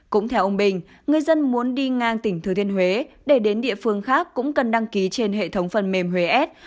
cũng theo ông bình người dân muốn đi ngang tỉnh thừa thiên huế để đến địa phương khác cũng cần đăng ký trên hệ thống phần mềm huế s